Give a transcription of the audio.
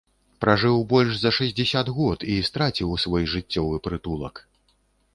Пражыў больш за шэсцьдзесят год і страціў свой жыццёвы прытулак.